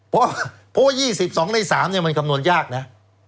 เพราะว่า๒๒ใน๓มันคำนวณยากนะ